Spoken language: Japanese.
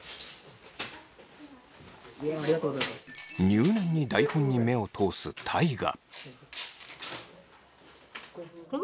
入念に台本に目を通す大我。